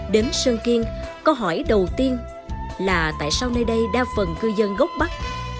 đến sơn kiên câu hỏi đầu tiên là tại sao nơi đây đa phần cư dân gốc bắc